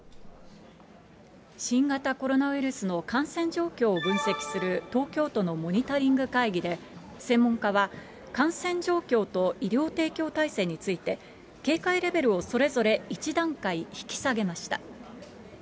新型コロナウイルスの感染状況を分析する東京都のモニタリング会議で、専門家は、感染状況と医療提供体制について、警戒レベルをそれぞれ１段階引き下げました。